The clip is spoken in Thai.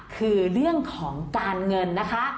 คือเรื่องของการเงินนะคะ